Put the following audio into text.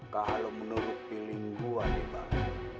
kalau menurut pilih gua nih bar